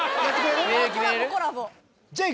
コラボコラボ。